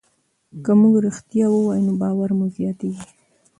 که موږ ریښتیا ووایو نو باور مو زیاتېږي.